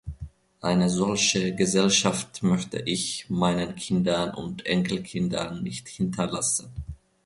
Eine solche Gesellschaft möchte ich meinen Kindern und Enkelkindern nicht hinterlassen.